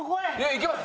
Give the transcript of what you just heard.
いけます。